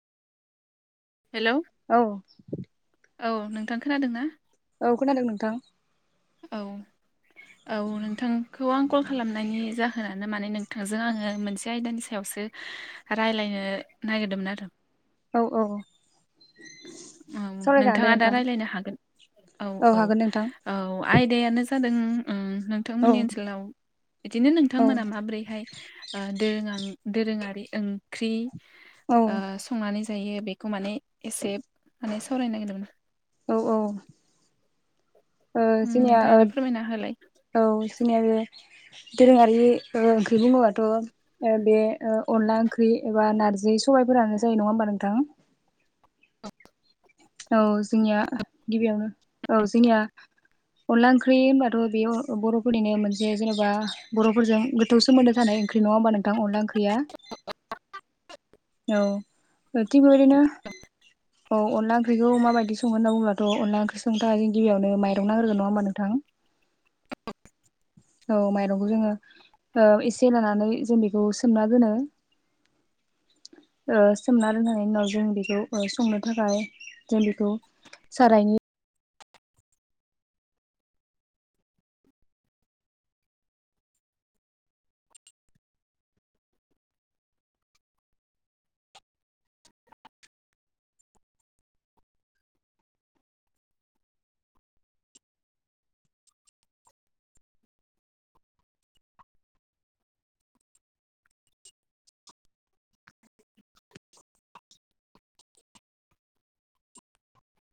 हेल' औ औ नोंथां खोनादों ना? औ खोनादों नोंथां। औ औ नोंथांखौ आं कल खालामनायनि जाहोनानो माने नोंथांजों आङो मोनसे आयदानि सायावसो राय्लायनो नागिरदोंमोन आरो। औ औ औ सावरायजागोन दे नोंथाङा दा नोंथां रायलायनो हागोन औ औ। हागोन नोंथां औ आयदायानो जादों उम औ नोंथांमोननि ओनसोलाव बिदिनो नोंथांमोना माब्रैहाय दोरो दोरोङारि ओंख्रि औ संनानै जायो बेखौ माने एसे माने सावरायनो नागिरदोंमोन। औ औ उम जोंनिया नोंथाङा ओ दा फोरमायना होलाय। औ जोंनि आरो दोरोङारि ओंख्रि बुङोबाथ' ओ बे ओ अनला ओंख्रि एबा नारजि सबायफोरानो जायो नङा होमबा नोंथां। औ जोंनिया गिबियावनो औ जोंनिया अनला ओंख्रि होनबाथ' बेयाव बर'फोरनिनो मोनसे जेन'बा बर'फोरजों गोथौ सोमोन्दो थानाय ओंख्रि नङा होमबा नोंथां अनला ओख्रिया! औ थिख बिदिबायदिनो [inaudible] औ अनला ओंख्रैखौ माबायदि सङो होनना बुंङब्लाथ' अनलाओख्रै संनो‌ थाखाय जों गिबियावनो माइंरं नांग्रोगोन नङा होनबा नोंथां! औ माइरंखौ जोङो ओ एसे लानानै जों बेखौ सोमना दोनो। ओ सोमना रोनांनायनि उनाव जों बेखौ संनो थाखाय जों बिखौ सारायनि